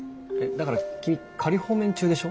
だから君仮放免中でしょ？